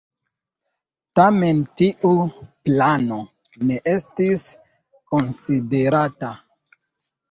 Tamen tiu plano ne estis konsiderata.